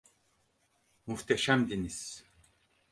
Muhteşemdiniz.